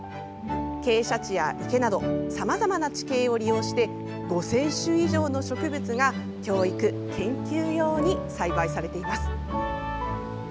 傾斜地や池などさまざまな地形を利用して５０００種以上の植物が教育・研究用に栽培されています。